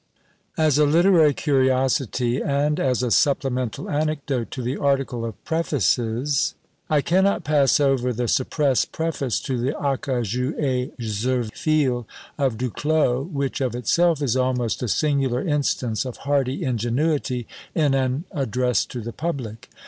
As a literary curiosity, and as a supplemental anecdote to the article of PREFACES, I cannot pass over the suppressed preface to the "Acajou et Zirphile" of Du Clos, which of itself is almost a singular instance of hardy ingenuity, in an address to the public.